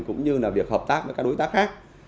cũng như là việc hợp tác với các đối tác khác